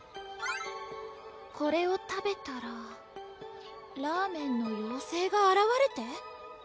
「これを食べたらラーメンの妖精があらわれて」